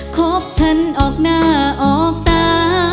คบฉันออกหน้าออกตา